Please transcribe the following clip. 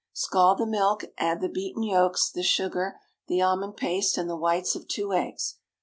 Scald the milk, add the beaten yolks, the sugar, the almond paste, and the whites of two eggs.